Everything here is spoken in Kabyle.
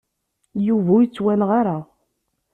Yuba ur yettwanɣa ara.